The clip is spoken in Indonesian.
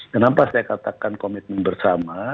kenapa saya katakan komitmen bersama